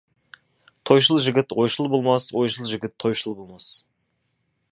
Тойшыл жігіт ойшыл болмас, ойшыл жігіт тойшыл болмас.